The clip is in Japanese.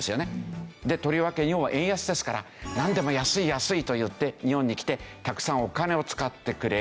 とりわけ日本は円安ですからなんでも安い安いといって日本に来てたくさんお金を使ってくれる。